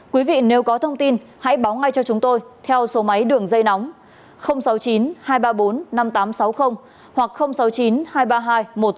quý vị nếu có thông tin hãy báo ngay cho chúng tôi theo số máy đường dây nóng sáu mươi chín hai trăm ba mươi bốn năm nghìn tám trăm sáu mươi hoặc sáu mươi chín hai trăm ba mươi hai một nghìn sáu trăm sáu mươi bảy hoặc cơ quan công an nơi gần nhất